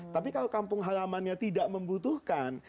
tapi kalau kampung halamannya tidak membutuhkan